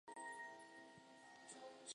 汉高祖刘邦封周勃为绛侯于此。